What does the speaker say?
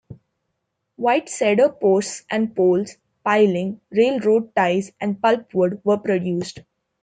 White cedar posts and poles, piling, railroad ties and pulp wood were produced.